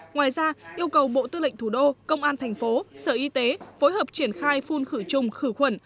ngoài ra yêu cầu bộ tư lệnh thủ đô công an thành phố sở y tế phối hợp triển khai phun khử chung khử khuẩn